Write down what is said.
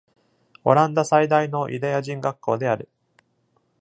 オランダ最大のユダヤ人学校である。